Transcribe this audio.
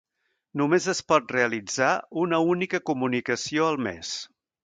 Només es pot realitzar una única comunicació al mes.